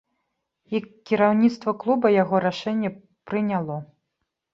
І кіраўніцтва клуба яго рашэнне прыняло.